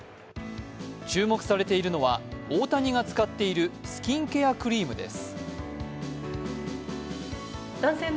注目されているのは、大谷が使っているスキンケアクリームです。